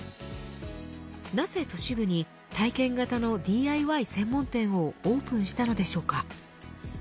なぜ都市部に体験型のＤＩＹ専門店をオープンしたのでしょうか。